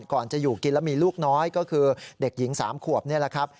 ก่อนจะอยู่กินแล้วมีลูกน้อยก็คือเด็กหญิง๓ขวบนี่แหละครับ